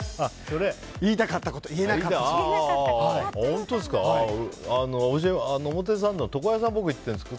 言いたかったこと言えなかったそうです。